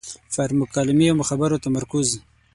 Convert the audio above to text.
پر مکالمې او خبرو تمرکز.